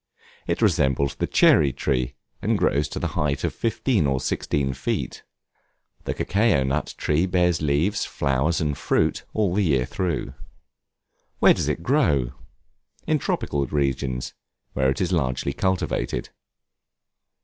It resembles the cherry tree, and grows to the height of fifteen or sixteen feet. The cacao nut tree bears leaves, flowers, and fruit, all the year through. Where does it grow? In tropical regions, where it is largely cultivated.